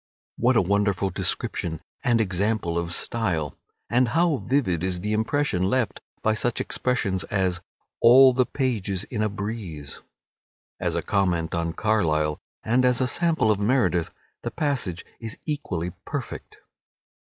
What a wonderful description and example of style! And how vivid is the impression left by such expressions as "all the pages in a breeze." As a comment on Carlyle, and as a sample of Meredith, the passage is equally perfect.